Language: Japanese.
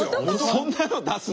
そんなの出すの？